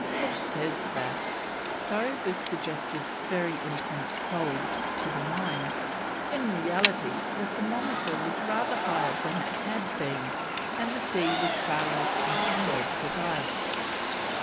Cook says that, though this suggested very intense cold to the mind, in reality the thermometer was rather higher than it had been, and the sea was far less encumbered with ice.